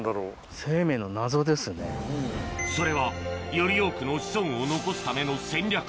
それはより多くの子孫を残すための戦略